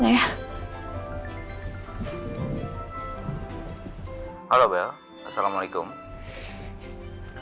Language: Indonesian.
aku harus jawab apa enggak yuk bro